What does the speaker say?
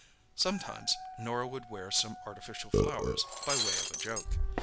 Sometimes Norah would wear some artificial flowers, by way of a joke.